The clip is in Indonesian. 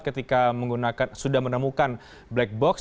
ketika sudah menemukan black box